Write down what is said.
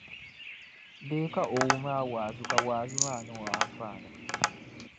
Bee ka o wum a wa’azu, ka wa’azu maa niŋ o anfaani?